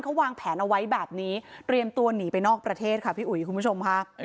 เขาวางแผนเอาไว้แบบนี้เตรียมตัวหนีไปนอกประเทศค่ะพี่อุ๋ยคุณผู้ชมค่ะ